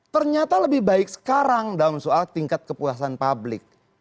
ternyata lebih baik sekarang dalam soal tingkat kepuasan publik